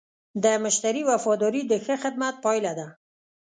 د مشتری وفاداري د ښه خدمت پایله ده.